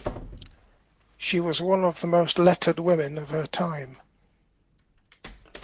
She was one of the most lettered women of her time.